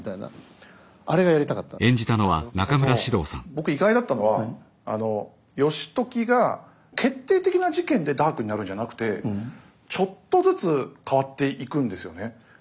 僕意外だったのは義時が決定的な事件でダークになるんじゃなくてちょっとずつ変わっていくんですよね。